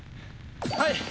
はい！